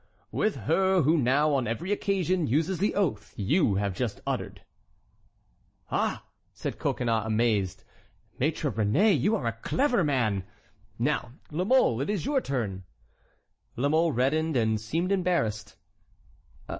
"With her who now, on every occasion, uses the oath you have just uttered." "Ah!" said Coconnas, amazed; "Maître Réné, you are a clever man! Now, La Mole, it is your turn." La Mole reddened, and seemed embarrassed.